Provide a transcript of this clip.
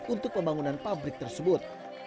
untuk pembangunan pabrik tersebut